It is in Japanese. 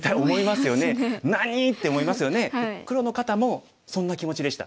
黒の方もそんな気持ちでした。